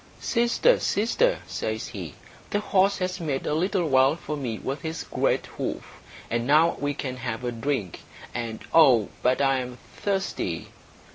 "Sister, sister," says he, "the horse has made a little well for me with his great hoof, and now we can have a drink; and oh, but I am thirsty!"